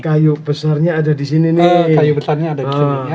kayu besarnya ada di sini nih